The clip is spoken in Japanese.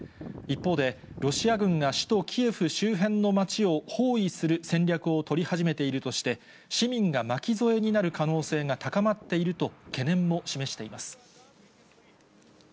一方で、ロシア軍が首都キエフ周辺の町を包囲する戦略を取り始めているとして、市民が巻き添えになる可能性が高まっていると、懸念も示しています。